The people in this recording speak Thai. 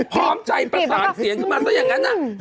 พร้อมใจประสานสีอย่างนั้น